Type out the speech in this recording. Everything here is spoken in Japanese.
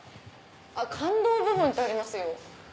「感動ボブン」ってありますよ。